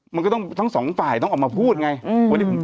มันก็ต้องทั้งสองฝ่ายต้องออกมาพูดไง